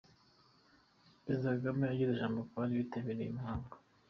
Perezida Kagame ageza ijambo ku bari bitabiriye uyu muhango.